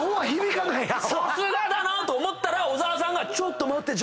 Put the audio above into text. さすがだな！と思ったら小沢さんが「ちょっと待って！